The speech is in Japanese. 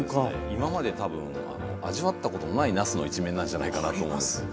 今まで多分味わったことのないなすの一面なんじゃないかなと思うんです。